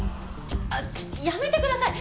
あっちょっやめてください！